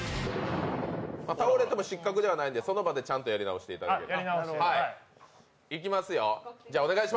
倒れても失格ではないのでその場でちゃんとやり直していただければ。